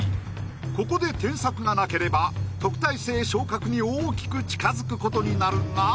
ここで添削がなければ特待生昇格に大きく近づくことになるが。